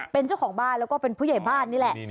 เป็นเจ้าของบ้านแล้วก็เป็นผู้ใหญ่บ้านนี่แหละ